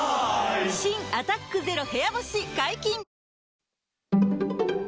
新「アタックＺＥＲＯ部屋干し」解禁‼